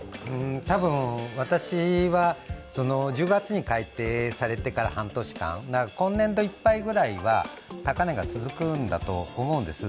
多分、私は１０月に改定されてから半年間、今年度いっぱいぐらいは高値が続くんだと思うんです。